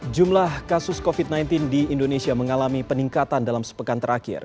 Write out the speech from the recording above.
jumlah kasus covid sembilan belas di indonesia mengalami peningkatan dalam sepekan terakhir